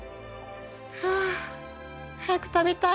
はあ早く食べたい。